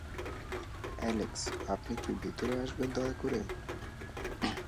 Alex, আপনি কি ভিতরে আসবেন, দয়া করে?